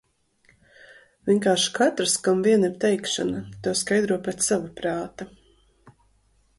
Vienkārši katrs, kam vien ir teikšana, to skaidro pēc sava prāta.